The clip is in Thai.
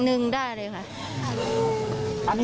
หนึ่งได้เลยค่ะ